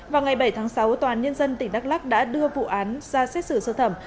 vào ngày bảy tháng sáu tòa nhân dân tỉnh đắk lắc đã đưa vụ án ra xét xử sơ thẩm